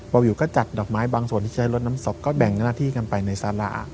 วิวก็จัดดอกไม้บางส่วนที่ใช้รถน้ำศพก็แบ่งหน้าที่กันไปในสารา